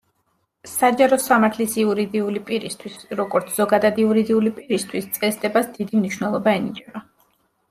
საჯარო სამართლის იურიდიული პირისთვის, როგორც, ზოგადად, იურიდიული პირისთვის, წესდებას დიდი მნიშვნელობა ენიჭება.